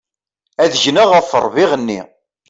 Ad gneɣ ɣef ṛṛbiɣ-nni.